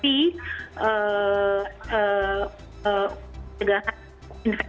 misalnya satu saja dari misalnya ibunya atau anaknya yang belum bisa mandiri ya